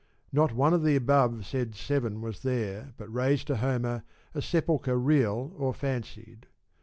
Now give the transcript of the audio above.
Not one of the above said seven was there but raised to Homer a sepulchre real or fancied.